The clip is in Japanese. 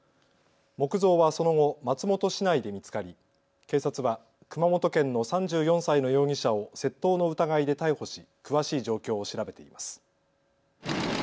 木像はその後、松本市内で見つかり警察は熊本県の３４歳の容疑者を窃盗の疑いで逮捕し詳しい状況を調べています。